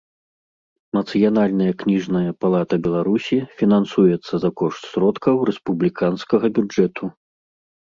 Нацыянальная кнiжная палата Беларусi фiнансуецца за кошт сродкаў рэспублiканскага бюджэту.